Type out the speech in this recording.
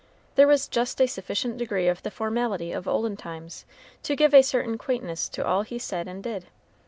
There was just a sufficient degree of the formality of olden times to give a certain quaintness to all he said and did.